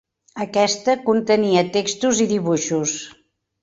Aquesta contenia textos i dibuixos.